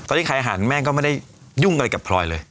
ตอนนี้ขายอาหารแม่งก็ไม่ได้ยุ่งอะไรกับพลอยเลย